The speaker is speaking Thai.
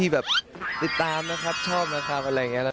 แบบติดตามนะครับชอบนะครับอะไรอย่างเงี้ย